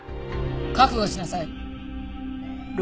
覚悟しなさい。